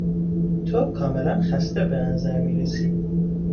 تو کاملا خسته به نظر میرسی!